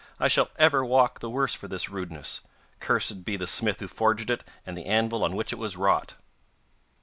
'I shall ever walk the worse for this rudeness. Cursed be the smith who forged it, and the anvil on which it was wrought!